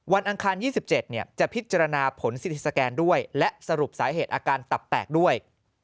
อังคาร๒๗จะพิจารณาผลซิริสแกนด้วยและสรุปสาเหตุอาการตับแตกด้วย